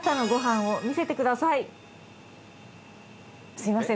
すみません